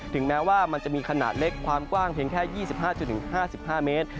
แม้ว่ามันจะมีขนาดเล็กความกว้างเพียงแค่๒๕๕๕เมตร